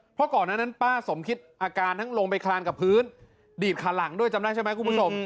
เพราะก่อนนั้นป้าสมคิดอาการทั้งลงไปคลานกับพื้นดีดขาหลังด้วยจำได้ใช่ไหมคุณผู้ชม